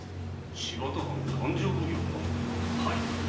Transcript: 「新発田藩勘定奉行」が？